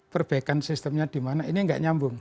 perbaikan sistemnya dimana ini nggak nyambung